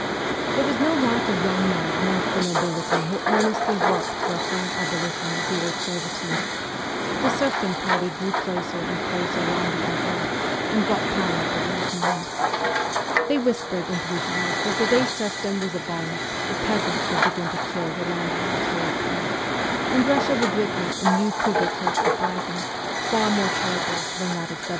There was no lack of young men amongst the nobility who earnestly worked for a frank abolition of the old servitude ; but the serfdom party drew closer and closer round the emperor, and got power over his mind. They whispered into his ears that the day serfdom was abolished the peasants would begin to kill the landlords wholesale, and Russia would witness a new Pugachoff uprising, far more terrible than that of 1773.